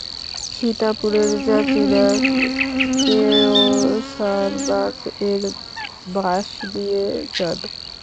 সিতাপুরের যাত্রীরা, কেয়সারবাগ এর বাস দিয়ে যান।